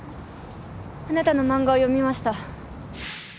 あなたの漫画を読みました。